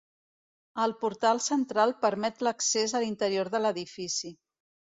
El portal central permet l'accés a l'interior de l'edifici.